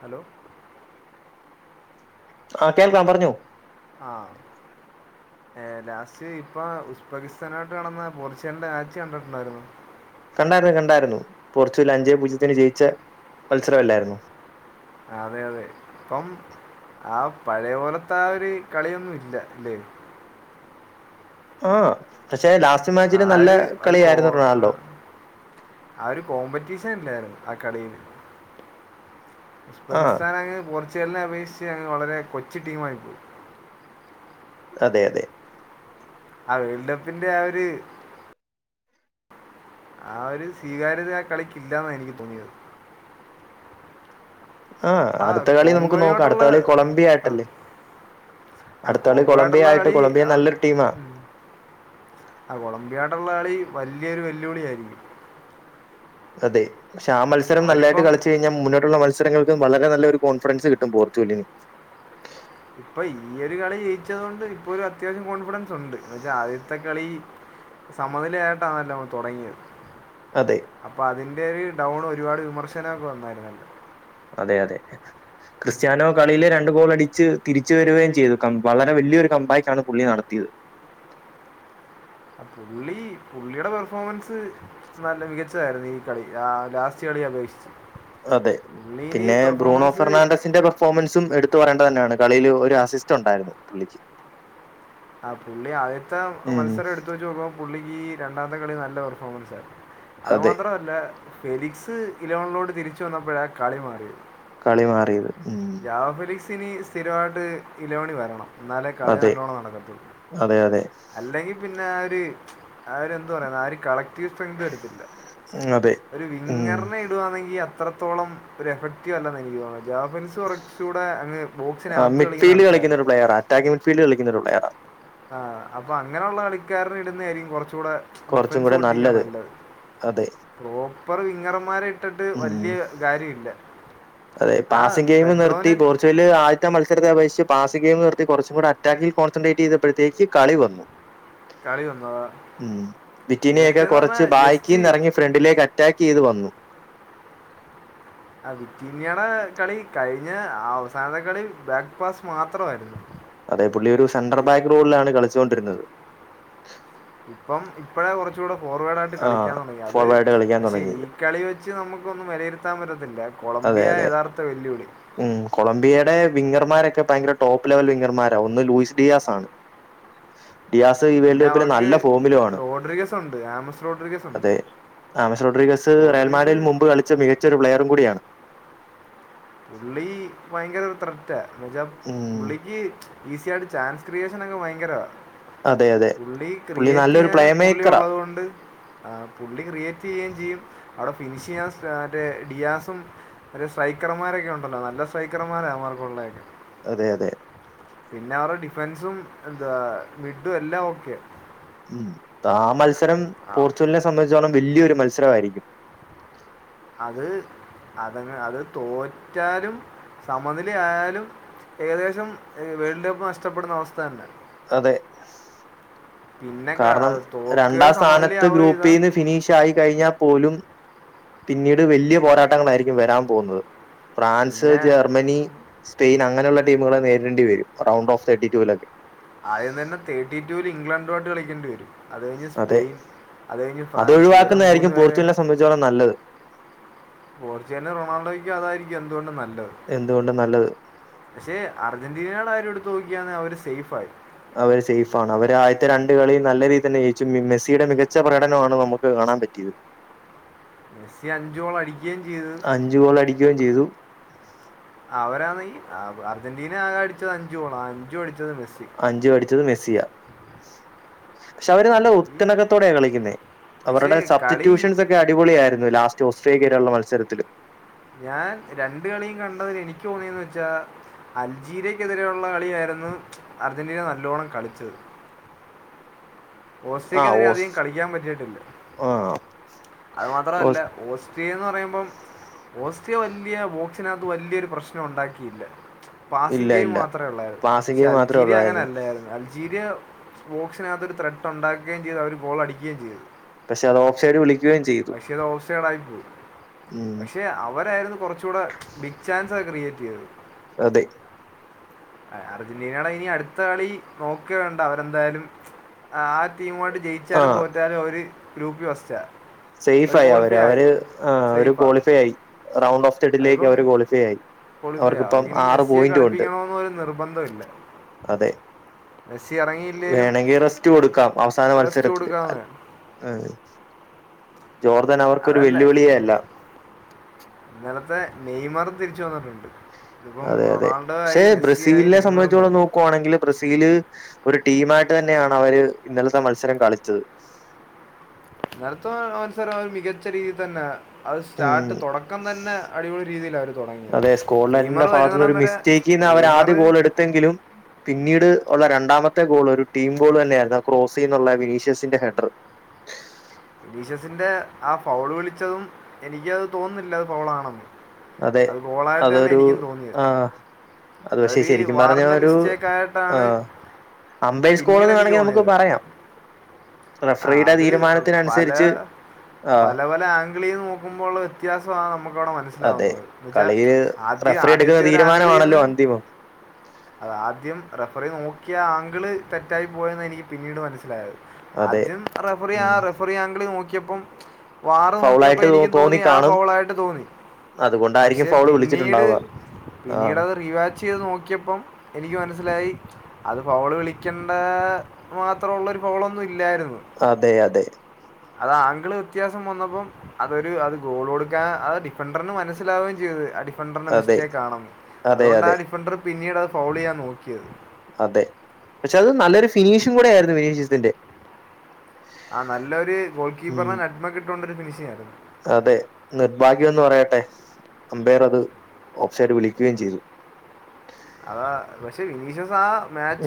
Hello ആഹ കേൾക്കാം പറഞ്ഞു ആഹ് ഏർ ലാസ്റ്റ് ഇപ്പൊ ഉസ്ബെക്കിസ്ഥാനായിട്ട് കണന്ന പോർച്ചുഗലിന്റെ മാച്ച് കണ്ടിട്ടുണ്ടായിരുന്നു കണ്ടായിരുന്നു കണ്ടായിരുന്നു പോർച്ചുഗൽ അഞ്ചേ പൂജ്യത്തിന് ജയിച്ച മത്സരല്ലായിരുന്നു അതെ അതെ ഇപ്പം ആഹ് പഴയ പോലത്തെ ആ ഒരു കളിയൊന്നും ഇല്ല അല്ലേ ആഹ് ആര് കോ റൊണാൾഡോ ആ ഒരു കോമ്പറ്റീഷൻ ഇല്ലായിരുന്നു അക്കട ആ ഉസ്ബകിസ്ഥാൻ അങ്ങ് പോർച്ചുഗലിനെ അപേക്ഷിച്ച് അങ്ങ് വളരെ കൊച്ചു ടീമായിപ്പോയി അതെ അതെ ആഹ് വേൾഡ് കപ്പിന്റെ ആ ഒരു ആ ഒരു സ്വീകാര്യത ആ കളിക്കില്ലാന്ന എനിക്ക് തോന്നിയത് ആ അടുത്ത കളി നമുക്ക് നോക്കാം കോങ്കോോട്ടുള്ള അടുത്ത കളി കൊളംബിയ ആ ആയിട്ടല്ലേ ആ അടുത്ത കളി കൊളംബിയ കോങ്കട്ടയള്ള ആയിട്ട് കളി കൊളംബിയ നല്ലൊരു ടീമാ ആ കൊളംബിയാട്ട ഉള്ള കളി വല്ിയൊരു വെല്ലുവിളിയ ആയിരിക്കും അതെ പക്ഷെ ആ മത്സരം നല്ലായിട്ട് കളിച്ചച്ച് കഴിഞ്ഞാൽ മുന്നോട്ടുള്ള മത്സരം മത്സരങ്ങൾക്കും വളരെ നല്ല ഒരു കോൺഫിഡൻസ് കിട്ടും പോർച്ചുഗലിന്. ഇപ്പൊ ഈ ഒരു കളി ജയിച്ചത് കൊണ്ട് ഇപ്പൊ ഒരു അത്യാവശ്യം കോൺഫിഡൻസ് ഉണ്ട് എന്ന വെച്ചാ ആദ്യത്തെ കളി. സമനിലയായിട്ടാണല്ലോ അവൻ തുടങ്ങിയത്. അതെ അപ്പൊ അതിന്റെ ഒരു ഡൗൺ ഒരുപാട് വിമർശനമൊക്കെ വന്നായിരുന്നല്ലോ. അതെ അതെ ക്രിസ്ത്യാനോ കളിയില് രണ്ടു ഗോൾ അടിച്ച് തിരിച്ചു വരുകയും ചെയ്തു ക വളരെ വലിയൊരു കമ്പാക്ക് ആണ് പുള്ളി നടത്തിയത്. [inaudible] പുള്ളി പുള്ളിയുടെ പെർഫോമൻസ് നല്ല മികച്ചതായിരുന്നു ഈ കളി ലാസ്റ്റ് കളി അപേക്ഷിച്ച്. അതെ പുള്ളി ഇനി പിന്നെ ബ്രൂണോ പെർഫോമൻസ് ഫെർണാണ്ടസിന്റെ പെർഫോമൻസും എടുത്തു പറയേണ്ടത് തന്നെയാണ്. കളിയില് ഒരു അസിസ്റ്റ് ഉണ്ടായിരുന്നു പുള്ളിക്ക്. ആ പുള്ളി ആദ്യത്തെ ഉം മത്സരം എടുത്ത് വെച്ച് നോക്കുമ്പോ പുള്ളിക്ക് ഈ രണ്ടാമത്തെ കളി നല്ല പെർഫോമൻസ് ആയി അതു അതെ മാത്രല്ല ഫെലിക്സ് ഇലവണിലോണ്ട് തിരിച്ച വന്നപ്പോഴെ കളി മാറിയെ കളി മാറിയത് ഉം ജാവ ഫെലിക്സിന് സ്ഥിരമായിട്ട് ഇലോണി വരണം എന്നാലേ കളി അതെ നല്ലോണം നടക്കത്തുള്ളൂ അതെ അതെ അല്ലെങ്കിൽ പിന്നെ [unintelligible] അവര് എന്ത് പറയാ [unintelligible] അതെ ഒരു ഉം വിങ്ങറിനെ ഇടുവാണെങ്കിൽ അത്രത്തോളം ഒരു എഫക്റ്റീവ് അല്ല എന്ന് എനിക്ക് തോന്നുന്നത് ജാബ് കളിക്കുന്ന മിഡ്ഫീൽഡ് കളിക്കാരനാണ് കളിക്കുന്നൊരു പ്ലെയർ അറ്റാക്ക് മിഡ്ഫീൽഡ് കളിക്കുന്നൊരു പ്ലെയർ ആ അപ്പോ അങ്ങനെയുള്ള കളിക്കാരന് ഇടുന്നതായിരിക്കും കുറച്ച കുറച്ചൂടെ കുറച്ചും ഡിഫൻസ് കൂടെ പൊട്ടിക്ക നല്ലത് അതെ പ്രോപ്പർ വിങ്ങർമാരെ ഇട്ടിട്ട് ഉം വലിയ കാര്യമില്ല അതെ ആ പാസിംഗ് ഗെയിം നിർത്തി പെഡ്രോന് പോർച്ചുഗൽ ആദ്യത്തെ മത്സരത്തെ അപേക്ഷ പാസ് ഗെയിം നിർത്തി കുറച്ച്കൂടെ അറ്റാക്കിൽ കോൺസെൻട്രേറ്റ് ചെയ്തപ്പോഴേക്ക് കളി വന്നു കളി വന്നു ഉം വിറ്റിനിയൊക്കെ കൊറച്ച് ജസ്റ്റ് ബായ്ക്കിന്ന് ഇറങ്ങി ഫ്രണ്ടിലേക്ക് അറ്റാക്ക് ചെയ്ത് വന്നു ആ വിറ്റിന്നിയുടെ കളി കഴിഞ്ഞ അവസാനത്തെ കളി ബാക്ക് പാസ് മാത്രമായിരുന്നു അതേ പുള്ളിയൊരു സെൻടർ ഇ- ബാക്ക് റോളിലാണ് കളിച്ചുകൊണ്ടിരുന്നത് ഇപ്പം ഇപ്പഴേ കുറച്ചുകൂടെ ഫോർവേഡ് ആയിട്ട് ആ കളിക്കാൻ തുടങ്ങി അത് ഫോർവേഡ് കളിക്കാൻ പക്ഷെ ഈ തുടങ്ങിയത് കളി വെ ച്ച് നമുക്കൊന്ന് വിലയിരുത്താ വര അതെ അതെ ഉം കൊളംബിയയുടെ വിംഗർമാരൊക്കെ [unintelligible] ഭയങ്കര ടോപ്പ് ലെവൽ വിംഗർമാരാ ഒന്ന് ലൂയിസ് ഡിയാസ് ആണ് ഡിയാസ് ഈ വേൾഡ് പിന്നെ കപ്പിൽ അവർക്ക് നല്ല ഫോമിലും ആണ് റോഡ്റികസുണ്ട് ആമസ് റോഡറികസുണ്ട് ആമിസ് റോഡ്രിഗസ് റയൽമാഡ്രിയൽ മുമ്പ് കളിച്ച മികച്ച ഒരു പ്ലെയർ കൂടിയാണ് പുള്ളി ഭയങ്കര ത്രറ്റാ എന്ന വെച്ചാ ഉം പുള്ളിക്ക് ഈസിയയിട്ട് ചാൻസ് ക്രിയേഷൻ ഒക്കെ ഭയങ്കര അതെ അതെ പുള്ളി പുള്ളി ക്രിയേറ്റ് നല്ലൊരു ചെയ്യാൻ പ്ലേ പുള്ളി മേക്കറാ ഉള്ളത് കൊണ്ട് ആ പുള്ളി ക്രിയേറ്റ് ചെയ്യുകയും ചെയ്യും അവിടെ ഫിനിഷ് ചെയ്യാൻ മറ്റേ ഡിയാസും സ്ട്രൈക്ക് സൈക്കർമാരൊക്കെ ഉണ്ടല്ലോ നല്ല സൈക്കർമാര അവൻമാർക്കുള്ളതൊക്കെ അതെ അതെ പിന്നെ അവരെ ഡിഫെൻസും എന്താ മിഡും എല്ലാം ഓക്കെയ ഉം ആ മത്സരം പോർച്ചുഗലിനെ സംബന്ധിച്ചോളം വലിയൊരു മത്സരമായിരിക്കും അത് അതങ് അത് തോറ്റാലും സമനില ആയാലും ഏകദേശം വേൾഡ് കപ്പ് നഷ്ടപ്പെടുന്ന അവസ്ഥ തന്നെ അതെ പിന്നെ കാരണം ക- തോക്കുക രണ്ടാം സ്ഥാനത്ത് സമനിലയാവുക ചെയ്താ ഗ്രൂപ്പിൽ ഫിനിഷ് ആയി കഴിഞ്ഞാ പോലും പിന്നീട് വലിയ പോരാട്ടങ്ങളായിരിക്കും വരാൻ പോകുന്നത് ഫ്രാൻസ് പിന്നെ ജർമ്മനി സ്പെയിൻ അങ്ങനെയുള്ള ടീമുകളെ നേരിടേണ്ടി വരും റൗണ്ട് ഓഫ് തേർട്ടി ടു ലൊക്കേ ആദ്യം തന്നെ തേർട്ടി ടുവിൽ ഇംഗ്ലണ്ടുമായിട്ട് കളിക്കേണ്ടി വരും അത് കഴിഞ്ഞ് അതെ സ്പെയിൻ അത് കഴിഞ്ഞ് ഫ്രാൻസ് ഇവരെ മൂന്ന് അതൊഴിവാക്കുന്നതായിരിക്കും പേര് പോർച്ചുഗലിനെ സംബന്ധിച്ചോളം നല്ലത് പോർച്ചുഗാലിനും റൊണാൾഡോയ്ക്കും അതായിരിക്കും എന്തുകൊണ്ടണ്ട് നല്ലത് എന്തുകൊണ്ടും നല്ലത് പക്ഷെ അർജന്റീനയുടെ കാര്യം എടുത്ത് നോക്കിയാന്ന് അവര് സേഫായി അവര് സേഫാണ് അവര് ആദ്യത്തെ രണ്ട് കളി നല്ല രീതിൽ തന്നെ ജയിച്ചു മെസ്സിയുടെ മികച്ച പ്രകടനമാണ് നമുക്ക് കാണാൻ പറ്റിയത് മെസ്സി അഞ്ചോള അടിക്കുകയും ചെയ്ത് അഞ്ചു ഗോൾ അടിക്കുകയും ചെയ്തു അവരാണെങ്കിൽ അർജന്റീന ആകെ അടിച്ചത് അഞ്ച് ഗോള അഞ്ചു അടിച്ച അഞ്ചു അടിച്ചത് മെസ്സിയ പക്ഷെ അവര് നല്ല ഈ ഒത്തിണക്കത്തോടെയാണ് കളിക്കുന്നത് പക്ഷേ അവരുടെ കളി സബ്സ്റ്റിറ്റ്യൂഷൻസ് ഒക്കെ അടിപൊളിയ ആായിരുന്നു ലാസ്റ്റ് ഓസ്ട്രേലിയയിലുള്ള മത്സരത്തില്. ഞാൻ രണ്ട്‌ കളിയും കണ്ടതില് എനിക്ക് തോന്നിയന്ന വെച്ചാ അൽജീരിയക്കെതിരെയുള്ള കളിയായിരുന്നു അർജന്റീന നല്ലോണ്ണം കളിച്ചത്. ആ ഓസ്റ്റ്രിയക്കെതിരെ ഓസ് അധികം കളിക്കാൻ പറ്റിയിട്ടില്ല. ആ അത് മാത്രല്ല ഓസ് ഓസ്ട്രിയ എന്ന് പറയുമ്പം ഓസ്ട്രിയ വല്യ ച്ചിനകത്ത് വല്യോരു പ്രശ്നം ഉണ്ടാക്കിയില്ല. പാസി ഇല്ല ഗെയിം ഇല്ല മാത്രേ ഉള്ളായിരുന്നു പാസിംഗ് പക്ഷെ ഗെയിം മാത്രമേ അൽജീരിയ അങ്ങനെ ഉള്ളായിരുന്നു അല്ലായിരുന്നു. അ ൾജീരിയ ബോക്സിനകത്തൊരു ഒരു ത്രെട്ട് ഉണ്ടാക്കുകയും ചെയ്തു അവര് ഗോൾ അടിക്കുകയും ചെയ്തു. പക്ഷെ അത് ഓഫ് സൈഡുവിളി പക്ഷേ അത് ഓഫ്സൈടായി ഉം പക്ഷെ അവരായിരുന്നു കുറച്ചൂടെ ബിഗ് ചാൻസൊക്കെ ക്രിയേറ്റ് ചെയ്തത് അതെ അർജന്റീനയുടെ ഇനി അടുത്ത കളി നോക്കേ വേണ്ട അവരെന്തായാലും ആ ടീമുവായിട്ട് ആ ജയിച്ചാലും തോറ്റാലും അവര് ഗ്രൂപ്പ്ല് ഫസ്റ്റാ അവർ സേഫ്ആയി അവര് ക്വാളിഫൈ ആയി അവര് ആ അവര് സേഫാ ക്വാളിഫൈ ആയി റൗണ്ട് ഓഫ്തഡിലേക്ക് അതിപ്പം അവര് ക്വാളിഫൈയായി ക്വാളിഫൈ അവർക്കിനി മെസ്സിയെ കളിപ്പിക്കണന്നൊരു നിർബന്ധവും ഇല്ല അതെ മെസ്സി ഇറങ്ങിയില്ലേലും വേണമെങ്കിൽ റെസ്റ്റ് റസ്റ്റ് കൊടുക്കാന്ന് ആതെ ജോർദാൻ അവർക്കൊരു അതല്ല വെല്ലുവിളിയേ അല്ല ഇന്നലത്തെ നെയ്മറും തിരിച്ചുവന്നിട്ടുണ്ട് അതെ അതെ പക്ഷെ മെസ്സി ആയി ബ്രസീലിനെ നെയ്മറും സംബന്ധിച്ചോളം വന്നു നോക്കുവാണെങ്കില് ബ്രസീല് ഒരു ടീമായിട്ട് തന്നെയാണ് അവര് ഇന്നലത്തെ മത്സരം കളിച്ചത് ഇന്നലത്തെ മത്സരം ഒരു മികച്ച രീതിയിൽ തന്നെ അത് സ്റ്റാർട്ട് തുടക്കം ഉം തന്നെ അടിപൊളി രീതിയിലായിരുന്നു തുടങ്ങിയത് നെയ്മറ് വരുന്നടം വരെ ഇന്ന് അവർ നെയ്മർ ആദ്യഗോളെടുത്തെങ്കിലും പിന്നീട് ഉള്ള രണ്ടാമത്തെ ഗോള് ഒരു ടീം ഗോൾ തന്നെയായിരുന്നു ക്രോസീന്നുള്ള വിനീഷ്യസിന്റെ ഹെഡർ ഇലീഷ്യസിന്റെ ആ ഫൗള് വിളിച്ചതും എനിക്കതുതോന്നുന്നില്ലത് ഫൗളാണെന്ന് അതെ അത് ഗോളായിട്ട് തന്നെ അതൊരു എനിക്കും തോന്നിയത് ആഹ് അത് പക്ഷെ അതൊരു ശെരിക്കും പറഞ്ഞ വാറിൻ്റെ ഒരു മിസ്റ്റേക്കായിട്ടാണ് ആഹ് അംബേ പിന്നീട് സ്കോൾന്ന് എനിക്ക് വേണമെങ്കിൽ നമുക്ക് തോന്നിയത് പറയാം ആ റഫ്രിയുടെ അത് പല തീരുമാനത്തിനനുസരിച്ച് ആഹ് പല പല ആംഗ്ലീന്ന് നോക്കുമ്പോള്ള വ്യത്യാസമാണ് നമുക്കവിടെ മനസ്സി അതെ മനസ്സിലാവുന്നത് എന്നുവെച്ചാ കളിയില് ആദ്യ റഫറി എടുക്കുന്ന ആദ്യത്തെ ഒരു ആംഗിളീന്ന് തീരുമാനമാണല്ലോ അന്തിമം അത് ആദ്യം റഫറി നോക്കിയ ആങ്കിള് തെറ്റായി പോയെന്നാഎനിക്ക് പിന്നീട് മനസ്സിലായത് അതെ ആദ്യം റഫറി ആ ഉം റഫറി ആങ്കിളിൽ നോക്കിയപ്പം വാറ്നോക്കിയപ്പോ ഫൗളായിട്ട് തോ എനിക്കും തോന്നി ആ കാണും ഫൗളായിട്ട് തോന്നി അതുകൊണ്ടായിരിക്കും പക്ഷെ ഫൗള് പിന്നീട് വിളിച്ചിട്ടുണ്ടാവുക പിന്നീട് ആഹ് അത് റീവാച്ച് ചെയ്തുനോക്കിയപ്പം എനിക്ക് മനസ്സിലായി അത് ഫൗള് വിളിക്കണ്ട മാത്രമുള്ള ഒരു ഫൗളൊന്നും ഇ അതെ അതെ അത് ആങ്കിള് വ്യത്യാസം വന്നപ്പം അതൊരു അത് ഗോള് കൊടുക്കാൻ അത് ഡിഫണ്ടറിന് മനസ്സിലാവുകയും ചെയ്തു അഡി ഡിഫൻഡറിൻ്റെ അതെ മിസ്റ്റേക്ക് ആണെന്ന് അതെ അതുകൊണ്ടാ അതെ ഡിഫൻഡർ പിന്നീട് അത് ഫൗളെയ്യാൻ നോക്കിയത് അതെ പക്ഷെ അത് നല്ലൊരു ഫിനീഷിംഗ് കൂടെ ആയിരുന്നു ഫിനീഷിസിന്റെ ആ നല്ല ഒരു ഗോൾ കീപ്പറിനെ നഡ്മക്ക് ഇട്ടോണ്ടൊരു ഫിനിഷിംഗ് ആയിരുന്നത് അതെ നിർഭാഗ്യംന്ന് പറയട്ടെ അംമ്പയർ അത് ഓഫ്സൈഡ് വിളിക്കുകയും ചെയ്തു അതാ പക്ഷെ വിനീഷസ് ആ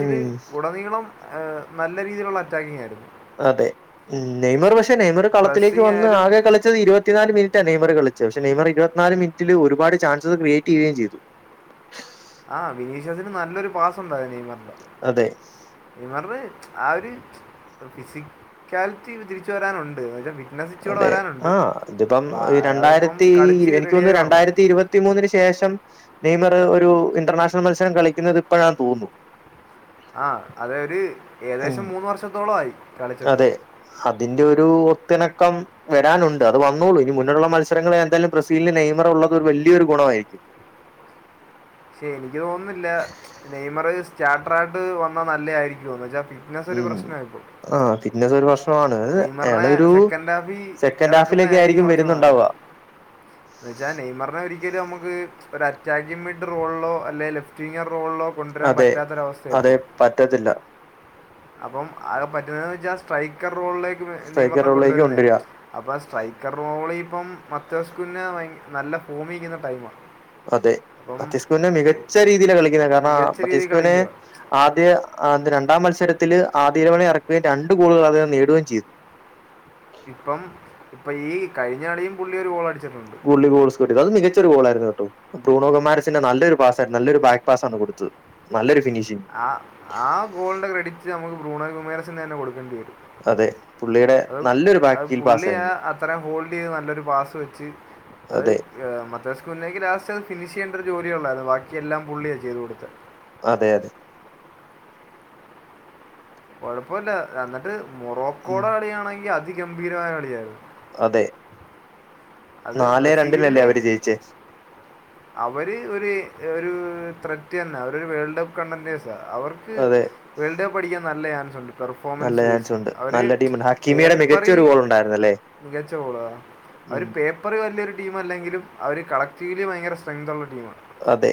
ഉം ഉടനീളം അ നല്ല രീതിയിലുള്ള അറ്റാക്കിങ് ആയിരുന്നു അതെ ഉം നെയ്മറ് പക്ഷെ നെയ്മറ് കളത്തിലേക്ക് പ്രസ്സിങ് വന്ന് ആയാലും ആകെ കളിച്ചത് ഇരുപത്തിനാല് മിനിറ്റാ നെയ്മറ് കളി പക്ഷെ നെയ്മറ് ഇരുപത്തിനാല് മിനിറ്റില് ഒരുപാട് ചാൻസസ് ക്രിയേറ്റ് ചെയ്യുകയും ചെയ്തു ആഹ് ബിനീഷ്സിന് നല്ലൊരു പാസുണ്ടായി നെയ്‌മറിന് അതെ നെയ്മെറിന് അ അതെ ആ ഇതിപ്പം അതിപ്പം രണ്ടായിരത്തി കളിച്ച് എനക്കൊന്ന് റെഡിയായി വരണം രണ്ടായിരത്തി ഇരുപത്തിമൂന്നിന് ശേ ഷം നെയ്മർ ഒരു ഇന്റർനാഷണൽ മത്സരം കളിക്കുന്നത് ഇപ്പോഴാ തോന്നുന്നു ആഹ് അതെരു ഉം അതെ അതിന്റെ ഒരു ഒത്തിണക്കം വരാനുണ്ട് അത് വന്നോളും ഇനി മുന്നിലുള്ള മത്സരങ്ങള എന്താലും ബ്രസീലിന് നെയ്മർ ഉള്ളത് ഒരു വലിയൊരു ഗുണായിരിക്കും [inaudible] ക്ഷെ എനിക്ക് തോന്നുന്നില്ല നെയ്മർ സ്റ്റാർട്ടറായിട്ട് വന്നാ നല്ല ആയിരിക്കോന്ന് ജ ഉം ആഹ് പിന്നത് ഒരു വർഷം നെയ്മറിനെ അയാളൊരു സെക്കൻഡ് ഹാഫിൽ സെക്കൻഡ് ഇറക്കുന്നതായിരിക്കും ഹാഫിലൊക്കായിരിക്കും കുറച്ചുകൂടെ വരുന്നുണ്ടാവ നല്ലത് [inaudible] റോളിലോ കൊണ്ടരാൻ അതെ പറ്റാത്തൊരവസ്ഥയാ അതെ ഇപ്പോ പറ്റത്തില്ല അപ്പം ആകെ പറ്റുന്നതെച്ചാൽ സ്ട്രൈക്കർ റോളിലേക്ക് സ്ട്രൈക്കർ നെയ്മറിനെ റോളിലേക്ക് കൊണ്ടുവരുന്ന കൊണ്ടുവരിക അപ്പൊ സ്ട്രൈക്കർ റോളി ഇപ്പം മത്തസ്കുഞ്ഞ ഭയ നല്ല ഫൂമി നിക്കുന്ന ടൈമാ അതെ മത്യസ്ക്യു പിന്ന മികച്ച രീതിലാ കളിക്കുന്നെ കാരണ മികച്ച രീതിയിൽ മത്യസ്കൂനെ കളിക്കുക ആദ്യ ആദ്യ രണ്ട് രണ്ടാം മത്സരത്തില് ആദ്യതവണ ഇറക്കുകയും രണ്ടു ഗോളുകൾ അദ്ദേഹം നേടുകയും ചെയ്തു ഇപ്പം ഇപ്പൊ ഈ കഴിഞ്ഞളീം പുള്ളി ഒരു ഗോളടി [unintelligible] അത് മികച്ചൊരു ഗോളായിരുന്നു കേട്ടോ ബ്രൂണോ കുമാരസിന്റെ നല്ലൊരു പാസ്സാരുന്ന് നല്ലരു ബാക്ക് പാസ്സാണ് കൊടുത്തത് നല്ലൊരു ഫിനിഷിങ് ആഹ് ആ ഗോളിന്റെ ക്രെഡിറ്റ് നമുക്ക് ബ്രൂണകുമേരസിന് തന്നെ കൊടുക്കേണ്ടി വരും അതെ പുള്ളിയുടെ [unintelligible] അത് നല്ലൊരു ബാക്ക് കീൽ [unintelligible] പാസ്സായിരുന്നു അതെ ലാസ്റ്റത് ഫിനിഷെയ്യണ്ട ഒരു ജോലിയ ഉള്ളായിരുന്നു ബാക്കി എല്ലാം പുള്ളിയാ ചെയ്തു കൊടുത്തെ അതെ അ കൊഴപ്പമില്ല എന്നിട്ട് ഉം മൊറോക്കോടെ കളിയാണെങ്കി അതിഗംഭീരമായ കളിയായിരുന്നു അതെ അത് നാലെ രണ്ടിനല്ലേ ബ്രസീലിന് അവര് ജയിച്ചേ അവര് ഒരു ഒരു ത്രെറ്റ് തന്ന അവര് ഒരു വേൾഡ് കപ്പ് കണ്ടന്റെർസാ അവർക്ക് അതെ വേൾഡ് കപ്പടിക്കാൻ നല്ല നല്ല പെർഫോമൻസ് വൈസ് ചാൻസ് ഉണ്ട് അവർ നല്ല ടീമുണ്ട് ഹക്കിമേടെ പേപ്പറിൽ മികച്ചൊരു ഗോൾ ഉണ്ടായിരുന്നല്ലോ മികച്ച ഗോളാ അവര് പേപ്പറി വലിയൊരു ടീമല്ലെങ്കിലും അവർ കളക്ടീവിലി ഭയങ്കര സ്ട്രങ്തുള്ള ടീമാ അതെ.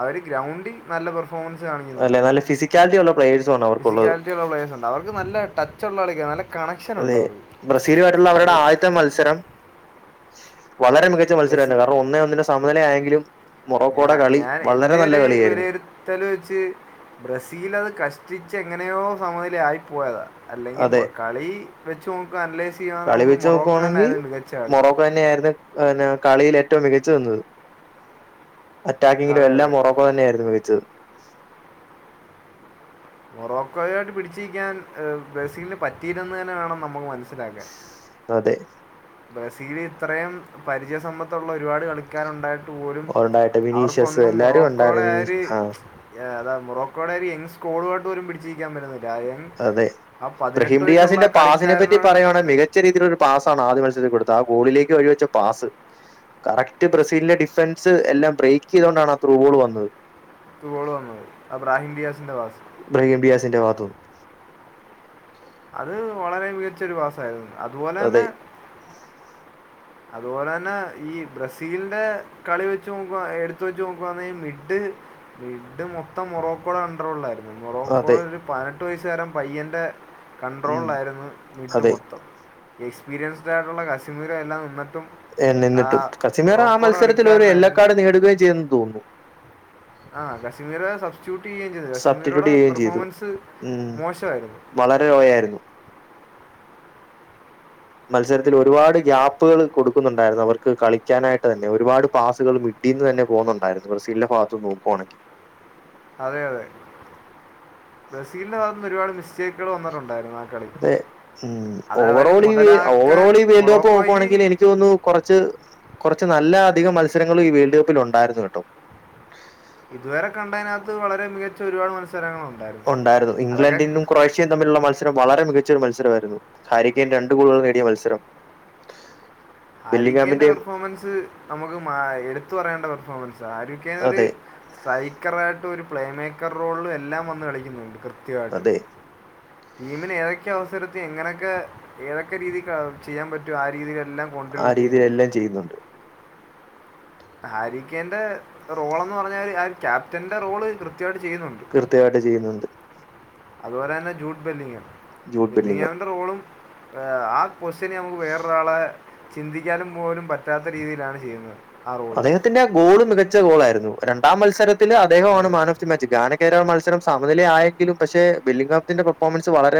അവര് ഗ്രൗണ്ടി നല്ല പെർഫോ ഫോൻസ് അല്ലെ കാണിക്കുന്നുണ്ട് നല്ല ഫിസിക്കാലിറ്റി ഉള്ള പ്ലേയേഴ്സും ആണ് ഫിസി അവർക്കുള്ളത് ക്കാലിറ്റിയുള്ള പ്ലയേഴ്‌സ് ഉണ്ട് അവർക്ക് നല്ല ടച്ച്‌ ഒള്ള കളി അതെ ബ്രസീലുമായിട്ടുള്ള അവരുടെ അത് ആദ്യത്തെ മത്സരം വളരെ മികച്ച മത്സരാണ് കാരണം ഒന്നേ ഒന്നിന് സമനില ആയെങ്കിലും ഞാ ഞാൻ എന്റെ ഒരു ബ്രസീലത് കഷ്ടിച്ച് എങ്ങനെയോ സമനില ആയി പോയതാ അല്ലെങ്കി അതെ കളി വെച്ചോക്കാ നമുക്ക് അനലൈസ് ചെയ്യാന്നെങ്കി കളി നമുക്ക് വെച്ച് മോറോക്ക തന്നേ മികച്ച ആള് ന്നാ കളിയിൽ എ ഏറ്റവും മികച്ച നിന്ന് അറ്റാക്കിങ്ങിലും അതെ എല്ലാം അതെ മോറോക്ക തന്നെയായിരുന്നു മികച്ചത് മൊറോക്കോയുയായിട്ട് പിടിച്ചിക്കാൻ ബ്രസീലിന് പറ്റിയില്ലന്ന് തന്നെ വേണം നമുക്ക് മനസ്സി സ് അതെ. ബ്രസീലി ഇത്രയും പരിചയ സമ്പത്തുള്ള ഒരുപാട് കളിക്കാരുണ്ടായിട്ട് പോലും ഉണ്ടായിട്ട് വിനീഷ്യസ് അവർക്കൊന്നും എല്ലാരും മൊറോക്കോയുടെ ഉണ്ടായിരുന്നു ആ വിനീഷ് ഒരു ആഹ് മൊറോക്കോയുടെ ഒരു ഇ പോൾ വാട്ട് പോലും പിടിച്ചിക്ക യ പറ്റുന്നി അതെ വയസ്സുള്ള ബഹീംഡിയാസിന്റെ ആ പാസിനെപറ്റി കളിക്കാരനാണ് പറയുകവാണെങ്കി മികച്ച രീതിയിലൊരു പാസ്സാണ് ആദ്യമത്സ കൊടുത്ത ആ ഗോളിലേക്ക് വഴിവെച്ച പാസ് കറക്റ്റ് ബ്രസീലിന്റെ ഡിഫൻസ് എല്ലാം ബ്രേക്ക് ചെയ്തോണ്ടാണ് ആ ത്രൂബോളുവന്നത്. ത്രു ബോളുവന്നത് അത് ബ്രാഹ്മ്ഡിയാസിന്റെ ഭാഗത്തുനിന്ന് ബ്രാഹിംഡിയാസിന്റെ ഭാഗത്തുനിന്ന് അത് വളരെമികച്ച ഒരു പാസായിരുന്നു അതെ അതുപോലെതന്നെ അതുപോലെതന്നെ ഈ ബ്രസീലിന്റെ കളിവെച്ച് നോക്കുവാ എടുത്തുവെച്ചു നോക്കുവാണെങ്കീ മിഡ്ഡ് മിഡ്ഡ് മൊത്തം മൊറോക്കോയുടെ കൺട്രോളിലായിരുന്നു അതെ എട്ട് വയസ്സുകാരൻ പയ്യൻ റെ ഉം കണ്ടട്രോളിലായിരുന്നു വീട്ടു അതെ മൊത്തം. എക്സ്പീരിയൻസ്ട് ആയിട്ടുള്ള കശ്മീരോ, എല്ലാം നിന്നിട്ടും ഏ ആ നിന്നിട്ടും കസിമീർ ആ മൊറോക്കോയുടെ മത്സരത്തിലൊരു യെല്ലോ കളിക്കാരനായിരുന്നു കാർഡ് നേടുകയും ചെയ്യെന്ന് തോന്നുന്നു. ആ കശ്മീർ സബ്സ്റ്ററ്റ്യൂട്ട് ചെയ്യുകയും ചെയ്തു സബ്സ്റ്റിറ്റ്യൂട്ട് കശ്മീരുടെ ചെയ്യുകയും ചെയ്തു പെർഫോമൻസ് മോശമായിരുന്നു. പോയായിരുന്നു. മത്സരത്തിൽ ഒരുപാട് ഗ്യാപ്പുകള് കൊടുക്കുന്നുണ്ടായിരുന്നു അവർക്ക് കളിക്കാനായിട്ട് തന്നെ ഒരുപാട് പാസ്സുകൾ ഇീന്ന്ന്ന പോകുന്നുണ്ടായിരുന്നു ബ്രസീലന്റെ ഭഗത്തു നോക്കുവാണങ്കി അതെ അതെ ബ്രസീലിന്റെ ഭാഗത്ത് നിന്ന് ഒരുപാട് മിസ്റ്റേക്കുകൾ വന്നിട്ടുണ്ട് അതെ മ്മ് അതവർ ഓവറോൾ ഈ മുതലാക്കാൻ ഓവറോൾ ഈ വേൽഡ് കപ്പ് നോക്കുവാണെങ്കി മൊറോക്കോയ്ക്ക് എനിക്ക് തോന്നുന്നു കൊറച്ച് കൊറച്ച് നല്ല അധികം മത്സരങ്ങളും ഈ വേൾഡ് കപ്പിൽ ഉണ്ടായിരുന്നു കേട്ടോ അത് വളരെ മികച്ച ഒരുപാട് മത്സരങ്ങളുണ്ടായിരുന്നു ഉണ്ടായിരുന്നു അതൊക്കെ ഇംഗ്ലണ്ടിനും ക്രൊേഷ്യയും തമ്മിലുള്ള മത്സരം വളരെ മികച്ച ഒരു- മത്സരമായിരുന്നു ഹാരിക്കൻ രണ്ടു ഗോളുകൾ നേടിയ മത്സരം ആരിക്കേന്റെ ബെല്ലിംഗാമിന്റെയും പെർഫോമൻസ് നമുക്ക് മ എടുത്തു പറയേണ്ട പെർഫോമൻസ് ഷാരുഖേനൊരു അതെ സൈക്കറായിട്ട് ഒരു പ്ലേ മേക്കർ റോള് എല്ലാം വന്ന് കളിക്കുന്നുണ്ട് കൃത്യ ക്കെ ആയിട്ട് അതെ ടീമിന് ഏതൊക്കെ അവസര ഇത് എങ്ങനെയൊക്കെ ഏതൊക്കെ രീതിക്ക്‌ ചെയ്യാൻ പറ്റൊ ആ രീതിയിലെല്ലാം ആ കോൺട്രിബ്യൂട്ട് രീതിയിൽ ചെയ്യുന്നുണ്ട് എല്ലാം ചെയ്യുന്നുണ്ട്. ഹാരിക്കേന്റെ റോളെന്ന് പറഞ്ഞാല് ആര് ക്യാപ്റ്റന്റെ റോള് കൃത്യ കൃത്യമായിട്ട് ചെയ്യുന്നുണ്ട്. അതുപോലെ തന്നെ ജൂട്ട് ബെല്ലിങ്ങ് ജൂഡ് ബെല്ലിങ്ങം ബല്ലിംഗവൻ്റെ റോളും ഏഹ് ആ കൊസ്റ്റ്യന് നമുക്ക്‌ വേറൊരാളെ ചിന്തിക്കാനും പോലും പറ്റാത്ത രീതിയിലാണ് ചെയ്യുന്നത്. ആ റോള് അദ്ദേഹത്തിന്റെ ആ ഗോള് മികച്ച ഗോളായിരുന്നു രണ്ടാം മത്സര ത്തിന്റെ അത് അദേഹമാണ് man of the match Ghana കേരാ മത്സരം സമനില ആയെങ്കിലും പക്ഷെ ബെല്ലികാപ്ത്തിന്റെ പെർഫോമൻസ് വളരെ